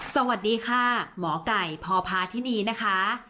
สวัสดีค่ะหมอไก่พอภาษณ์ที่นี่นะคะ